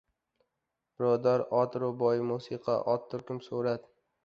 Birodarlar, ot — rubobiy musiqa, ot — ko‘rkam suvrat!